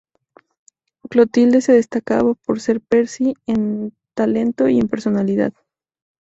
Clotilde se destacaba por sobre Percy en talento y en personalidad.